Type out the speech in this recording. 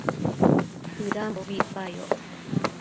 bëdambobi icpayoc